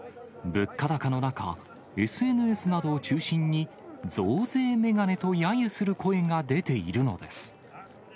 物価高の中、ＳＮＳなどを中心に増税メガネと、やゆする声が出ているのです。